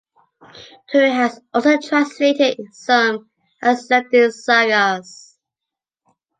Tuuri has also translated some Icelandic sagas.